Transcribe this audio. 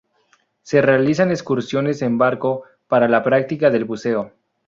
Se realizan excursiones en barco para la práctica del buceo.